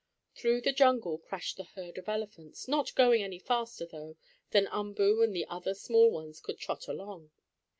Through the jungle crashed the herd of elephants, not going any faster, though, than Umboo and the other small ones could trot along.